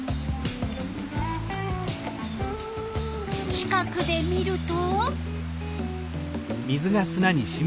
近くで見ると？